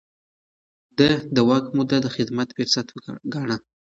ده د واک موده د خدمت فرصت ګاڼه.